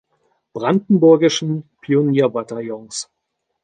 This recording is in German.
Brandenburgischen Pionierbataillons.